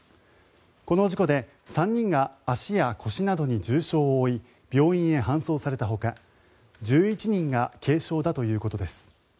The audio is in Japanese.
この事故で３人が足や腰などに重傷を負い病院へ搬送されたほか１１人が軽傷だということです。